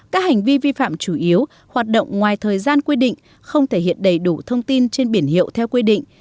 các hành vi vi phạm chủ yếu hoạt động ngoài thời gian quy định không thể hiện đầy đủ thông tin trên biển hiệu theo quy định